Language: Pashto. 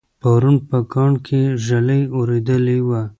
پرون په کاڼ کې ږلۍ اورېدلې وه